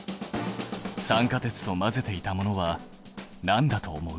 酸化鉄と混ぜていたものはなんだと思う？